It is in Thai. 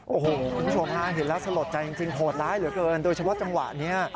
โอ้โฮชวมหาเห็นแล้วสะหรับใจจริงโหดร้ายเหลือเกินโดยเฉพาะจังหวะนี้